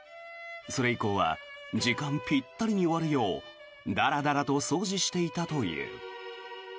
それ以降は時間ピッタリに終わるようダラダラと掃除していたという。